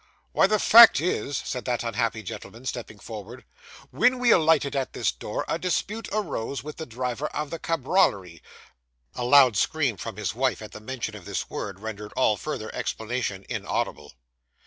'Why, the fact is,' said that unhappy gentleman, stepping forward, 'when we alighted at this door, a dispute arose with the driver of the cabrioily ' A loud scream from his wife, at the mention of this word, rendered all further explanation inaudible.